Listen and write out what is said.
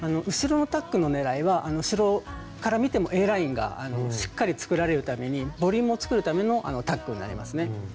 後ろのタックのねらいは後ろから見てもＡラインがしっかり作られるためにボリュームを作るためのタックになりますね。